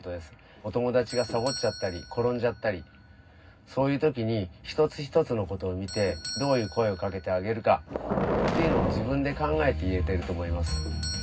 お友だちがさぼっちゃったりころんじゃったりそういうときにひとつひとつのことをみてどういう声をかけてあげるかっていうのを自分でかんがえていえてるとおもいます。